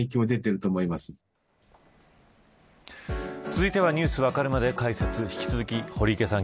続いてはニュースわかるまで解説。